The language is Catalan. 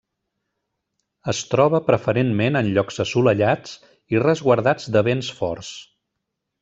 Es troba preferentment en llocs assolellats i resguardats de vents forts.